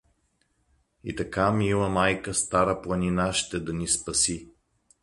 И така, мила майка Стара планина ще да ни спаси!